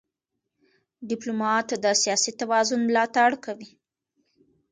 ډيپلومات د سیاسي توازن ملاتړ کوي.